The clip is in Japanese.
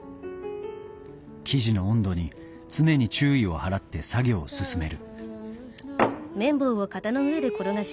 生地の温度に常に注意を払って作業を進める